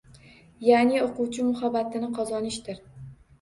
Ya’ni o’quvchi muhabbatini qozonishdir.